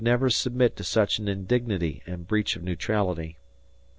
never submit to such an indignity and breach of neutrality.